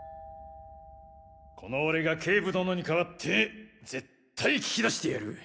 この俺が警部殿にかわって絶対聞き出してやる！